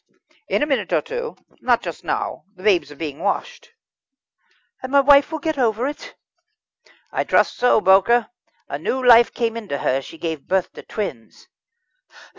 "In a minute or two, not just now, the babes are being washed." "And my wife will get over it?" "I trust so, Bowker; a new life came into her as she gave birth to twins."